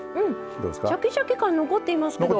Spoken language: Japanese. シャキシャキ感残っていますけど。